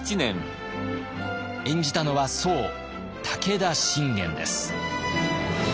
演じたのはそう武田信玄です。